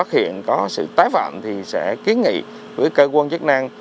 tuyệt đối không chủ quan